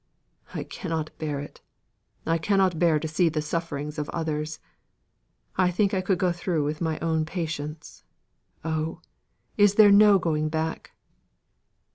"I cannot bear it. I cannot bear to see the sufferings of others. I think I could go through my own with patience. Oh, is there no going back?"